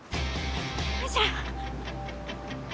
よいしょ。